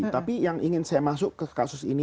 tapi yang ingin saya masuk ke kasus ini